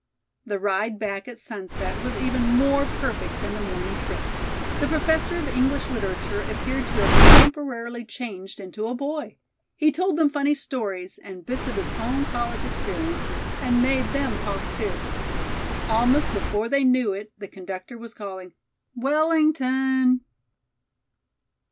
The ride back at sunset was even more perfect than the morning trip. The Professor of English Literature appeared to have been temporarily changed into a boy. He told them funny stories and bits of his own college experiences, and made them talk, too. Almost before they knew it, the conductor was calling: "Wellington!"